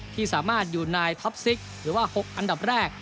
ที่สามารถอยู่ในท็อปซิกหรือว่า๖อันดับแรก